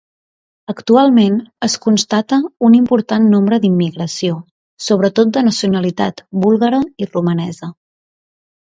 Actualment, es constata un important nombre d'immigració, sobretot de nacionalitat búlgara i romanesa.